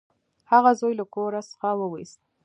هغه زوی له کور څخه وویست.